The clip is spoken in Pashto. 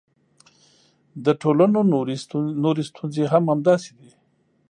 د ټولنو نورې ستونزې هم همداسې دي.